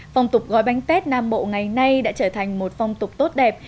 phong tục gói bánh tết nam bộ ngày nay đã trở thành một phong tục tốt đẹp